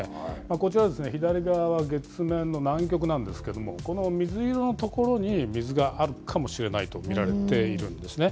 こちら、左側は月面の南極なんですけども、この水色の所に水があるかもしれないと見られているんですね。